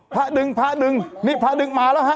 พระดึงพระดึงนี่พระดึงมาแล้วฮะ